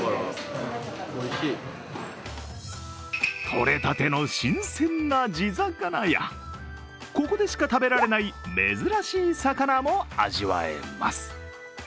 取れたての新鮮な地魚やここでしか食べられない珍しい魚も味わえます。